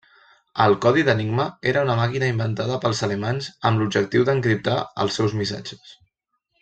El codi d'Enigma era una màquina inventada pels alemanys amb l'objectiu d'encriptar els seus missatges.